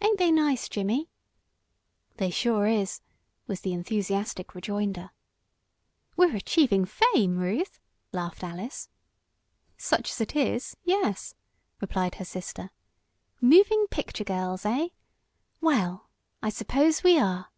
"Ain't they nice, Jimmie?" "They sure is!" was the enthusiastic rejoinder. "We're achieving fame, Ruth," laughed Alice. "Such as it is yes," replied her sister. "'Moving picture girls'; eh? Well, I suppose we are."